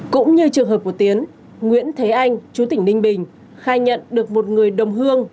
cũng như trường hợp của tiến nguyễn thế anh chú tỉnh ninh bình khai nhận được một người đồng hương